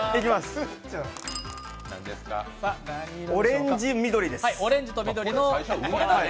オレンジ、緑です。